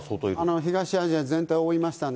東アジア全体を覆いましたね。